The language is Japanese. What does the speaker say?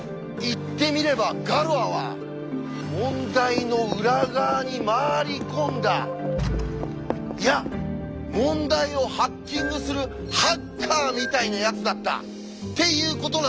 言ってみればガロアは問題の裏側に回り込んだいや問題をハッキングするハッカーみたいなやつだったっていうことなんですよ！